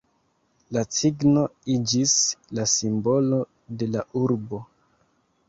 La cigno iĝis la simbolo de la urbo.